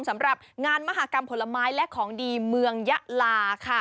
สำหรับงานมหากรรมผลไม้และของดีเมืองยะลาค่ะ